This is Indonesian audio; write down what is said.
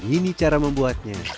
ini cara membuatnya